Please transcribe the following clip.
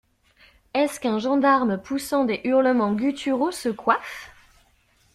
Est-ce qu'un gendarme poussant des hurlements gutturaux se coiffe?